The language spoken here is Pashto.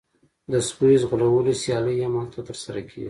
د سپیو ځغلولو سیالۍ هم هلته ترسره کیږي